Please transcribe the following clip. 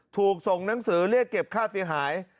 ถูกส่งหนังสือเรียกเก็บค่าเสียหาย